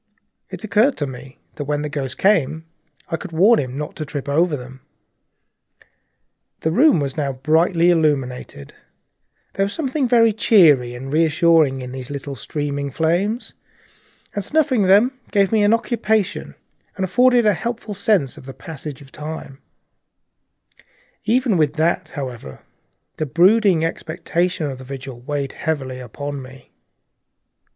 It occurred to me that when the ghost came I could warn him not to trip over them. The room was now quite brightly illuminated. There was something very cheering and reassuring in these little silent streaming flames, and to notice their steady diminution of length offered me an occupation and gave me a reassuring sense of the passage of time. Even with that, however, the brooding expectation of the vigil weighed heavily enough upon me.